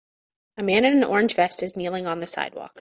A man in a orange vest is kneeling on the sidewalk